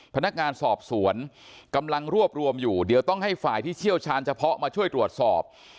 พนักงานสอบสวนกำลังรวบรวมอยู่เดี๋ยวต้องให้ฝ่ายที่เชี่ยวชาญเฉพาะมาช่วยตรวจสอบ